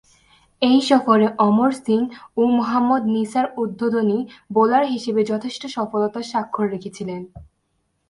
ঐ সফরে অমর সিং ও মোহাম্মদ নিসার উদ্বোধনী বোলার হিসেবে যথেষ্ট সফলতার স্বাক্ষর রেখেছিলেন।